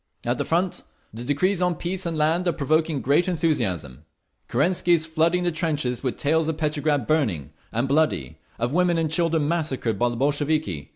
"At the front, the decrees on Peace and Land are provoking great enthusiasm. Kerensky is flooding the trenches with tales of Petrograd burning and bloody, of women and children massacred by the Bolsheviki.